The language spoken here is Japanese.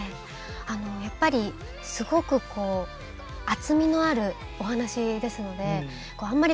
あのやっぱりすごくこう厚みのあるお話ですのであんまり